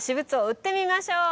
売ってみましょう。